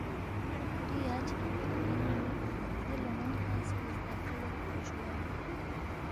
کھو کُھوری یا چھدپو تھوینگ نُو دے لون٘ون تنگسے زدرِلیدپا جُویا